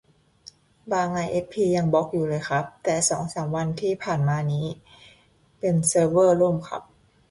บางไอเอสพียังบล็อคอยู่เลยครับ แต่สองสามวันที่ผ่านมานี่ เป็นเรื่องเซิร์ฟเวอร์ล่มครับ